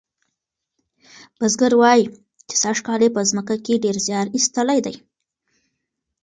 بزګر وایي چې سږکال یې په مځکه کې ډیر زیار ایستلی دی.